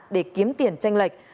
để kiếm tiền tranh lệch